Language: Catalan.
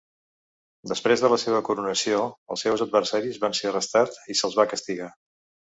Després de la seva coronació els seus adversaris van ser arrestats i se'ls va castigar.